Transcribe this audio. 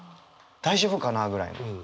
大丈夫かな？ぐらいの。